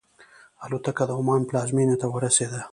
الوتکه د عمان پلازمینې ته ورسېده.